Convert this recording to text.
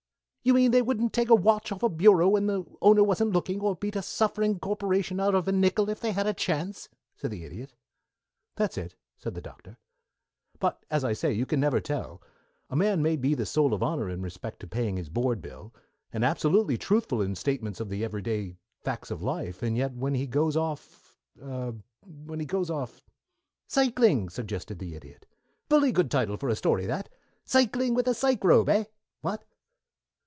"You mean they wouldn't take a watch off a bureau when the owner wasn't looking, or beat a suffering corporation out of a nickel if they had a chance?" said the Idiot. "That's it," said the Doctor. "But, as I say, you never can tell. A man may be the soul of honor in respect to paying his board bill, and absolutely truthful in statements of the everyday facts of life, and yet when he goes off, er when he goes off " "Psychling," suggested the Idiot. "Bully good title for a story that 'Psychling with a Psychrobe' eh? What?"